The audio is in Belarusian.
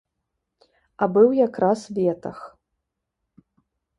А быў якраз ветах.